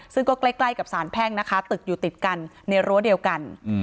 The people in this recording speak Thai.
ซึ่งก็ใกล้กับสารแพ่งนะคะตึกอยู่ติดกันในรั้วเดียวกัน